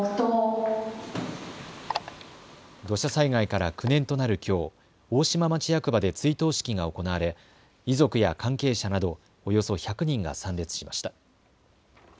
土砂災害から９年となるきょう大島町役場で追悼式が行われ遺族や関係者などおよそ１００人が参列しました。